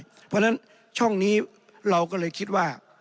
เพราะฉะนั้นช่องนี้เราก็เลยคิดว่า